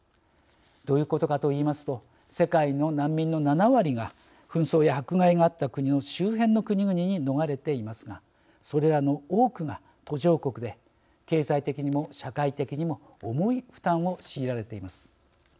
どういうことかと言いますと世界の難民の７割が紛争や迫害があった国の周辺の国々に逃れていますがそれらの多くが途上国で経済的にも社会的にも重い負担を強いられています。